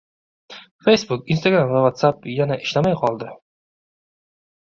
Facebook, Instagram va WhatsApp yana ishlamay qoldi